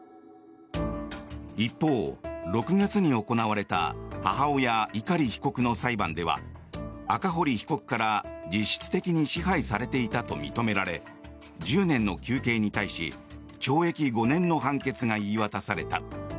一方、６月に行われた母親・碇被告の裁判では赤堀被告から実質的に支配されていたと認められ１０年の求刑に対し懲役５年の判決が言い渡された。